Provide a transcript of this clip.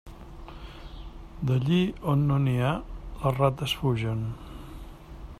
D'allí on no n'hi ha, les rates fugen.